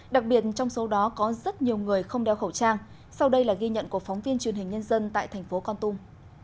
đặc biệt trong số đó có rất nhiều người không đeo khẩu trang sau đây là ghi nhận của phóng viên truyền hình nhân dân tại thành phố con tum